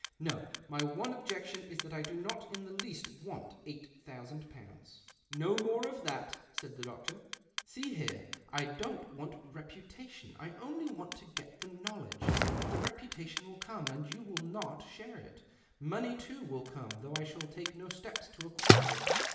No, my one objection is that I do not in the least want eight thousand pounds." THE OCTAVE OF CLAUDIUS. 137 ''No more of that," said the doctor. "See here — I don't want reputation. I only want to get the knowledge. But the reputation will come, and you will not share it. Money boo will come, though I shall take no steps :o acquire it.